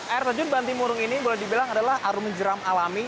air terjun bantimurung ini boleh dibilang adalah arum jeram alami